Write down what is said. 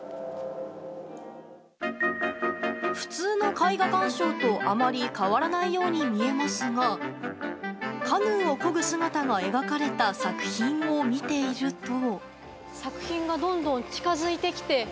普通の絵画鑑賞とあまり変わらないように見えますがカヌーをこぐ姿が描かれた作品を見ていると。